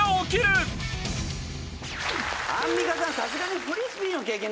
アンミカさんさすがに。